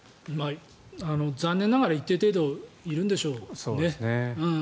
残念ながら一定程度、いるんでしょうね。